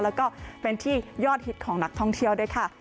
แล้วก็เป็นที่ยอดฮิตของนักท่องเที่ยวด้วยค่ะ